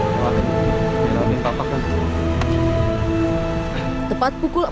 ketika bimbingan melewati tepat kelas delapan ini sudah tiba